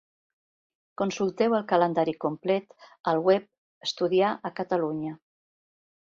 Consulteu el calendari complet al web Estudiar a Catalunya.